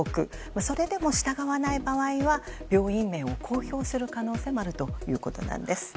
それでも従わない場合は病院名を公表する可能性もあるということです。